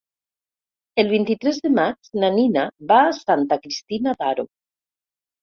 El vint-i-tres de maig na Nina va a Santa Cristina d'Aro.